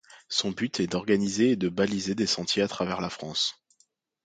Son but est d'organiser et de baliser des sentiers à travers la France.